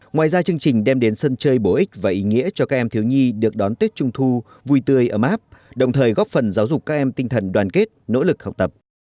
ngoài ra chương trình đem đến sân chơi bổ ích và ý nghĩa cho các em thiếu nhi được đón tết trung thu vui tươi ấm áp đồng thời góp phần giáo dục các em tinh thần đoàn kết nỗ lực học tập